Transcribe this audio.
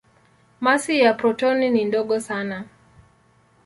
Masi ya protoni ni ndogo sana.